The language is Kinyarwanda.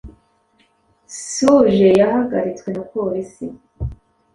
Suge yahagaritswe na Polisi